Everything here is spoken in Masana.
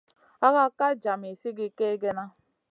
Hakak ka djami sigi kegena.